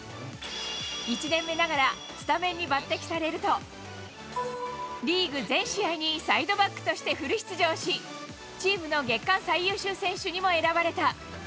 １年目ながらスタメンに抜てきされると、リーグ全試合にサイドバックとしてフル出場し、チームの月間最優秀選手にも選ばれた。